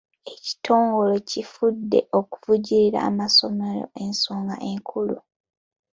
Ekitongole kifudde okuvujjirira amasomero ensonga enkulu.